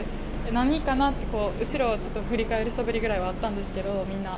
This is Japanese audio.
何かなって後ろをちょっと振り返るそぶりぐらいはあったんですけど、みんな。